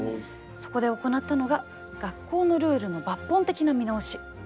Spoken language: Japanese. そこで行ったのが学校のルールの抜本的な見直し。